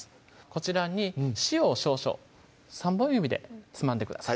こちらに塩を少々３本指でつまんでください